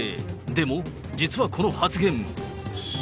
でも実はこの発言。